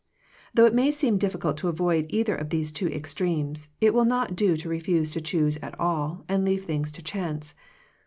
Though it may seem difficult to avoid either of these two extremes, it will not do to refuse to choose at all, and leave things to chance.